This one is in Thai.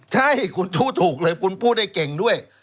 ใช่คุณพูดถูกเลยคุณพูดได้เก่งด้วย